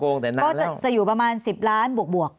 ก็จะอยู่ประมาณ๑๐ล้านบวก